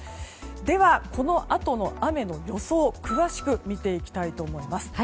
では、このあとの雨の予想詳しく見ていきたいと思います。